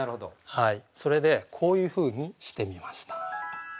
それでこういうふうにしてみました。